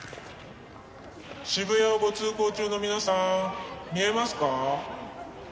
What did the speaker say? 渋谷をご通行中の皆さん見えますか？